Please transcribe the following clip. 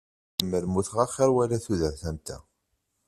Lemmer mmuteɣ axir wala tudert am ta.